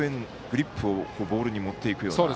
グリップをボールに持っていくような。